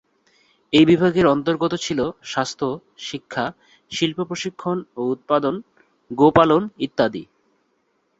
এই বিভাগের অন্তর্গত ছিল স্বাস্থ্য, শিক্ষা, শিল্প-প্রশিক্ষণ ও উৎপাদন, গো-পালন ইত্যাদি।